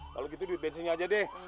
kalau gitu duit bensinnya aja deh